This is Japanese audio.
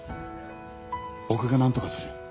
僕がなんとかする。